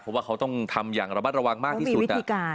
เพราะว่าเค้าจะต้องทำอย่างระวัดระวังที่สุดนะ